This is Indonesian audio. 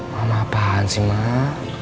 mama apaan sih mbak